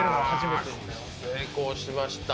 成功しました。